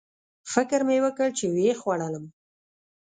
فکر مې وکړ چې ویې خوړلم